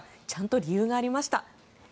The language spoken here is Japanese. ちゃんと理由がありました。